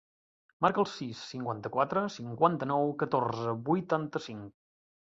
Marca el sis, cinquanta-quatre, cinquanta-nou, catorze, vuitanta-cinc.